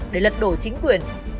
để lật đổ chính quyền